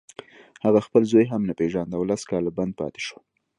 هغه خپل زوی هم نه پېژانده او لس کاله بند پاتې شو